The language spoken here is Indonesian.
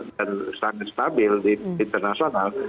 dan sangat stabil di internasional